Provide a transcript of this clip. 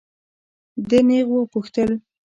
ده نېغ وپوښتل.